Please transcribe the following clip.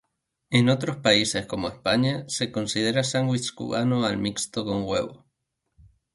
En otros países como España, se considera sándwich cubano al mixto con huevo.